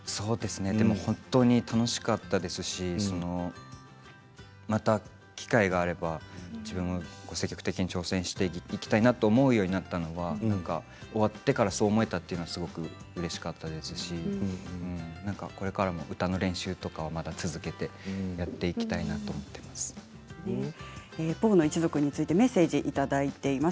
本当に楽しかったですしまた機会があれば自分も積極的に挑戦していきたいなと思うようになったのは終わってからそう思えたというのはすごくうれしかったですしこれからも歌の練習とかまた続けてやっていきたいなと「ポーの一族」についてメッセージをいただいています。